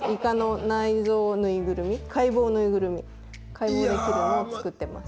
解剖できるのを作ってます。